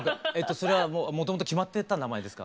それはもともと決まってた名前ですか？